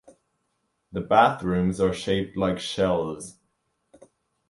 The bathrooms are shaped like shells.